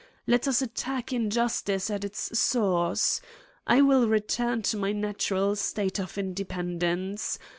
Let us attack injustice at its source. ^ I will return to my natural state of independence.